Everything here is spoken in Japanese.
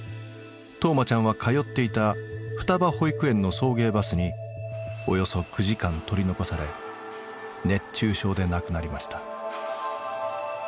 冬生ちゃんは通っていた双葉保育園の送迎バスにおよそ９時間取り残され熱中症で亡くなりました。